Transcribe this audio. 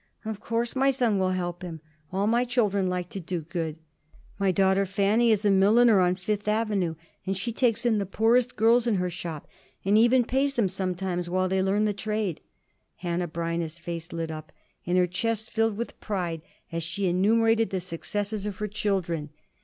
"Of course my son will help him. All my children like to do good. My daughter Fanny is a milliner on Fifth Avenue, and she takes in the poorest girls in her shop and even pays them sometimes while they learn the trade." Hanneh Breineh's face lit up, and her chest filled with pride as she enumerated the successes of her children.